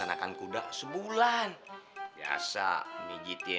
merah una belie represented indonesia